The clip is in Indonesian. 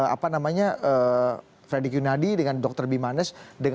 apa namanya fredy q nadi dengan dr b manes